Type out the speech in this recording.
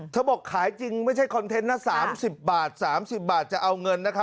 บอกขายจริงไม่ใช่คอนเทนต์นะ๓๐บาท๓๐บาทจะเอาเงินนะครับ